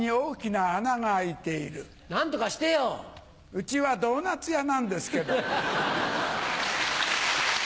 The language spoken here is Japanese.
うちはドーナツ屋なんですけど。